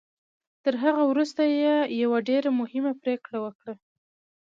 تر هغه وروسته يې يوه ډېره مهمه پريکړه وکړه.